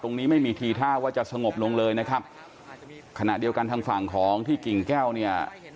ไม่มีทีท่าว่าจะสงบลงเลยนะครับขณะเดียวกันทางฝั่งของที่กิ่งแก้วเนี่ย